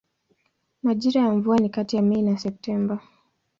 Majira ya mvua ni kati ya Mei na Septemba.